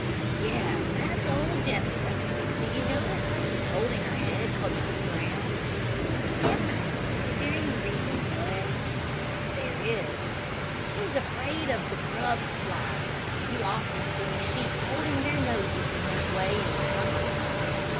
"Yes; that's old Jessica. Do you notice how she's holding her head close to the ground?" "Yes; is there any reason for it?" "There is. She's afraid of the grub fly. You often see sheep holding their noses in that way in the summer time.